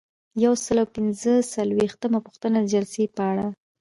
یو سل او پنځه څلویښتمه پوښتنه د جلسې په اړه ده.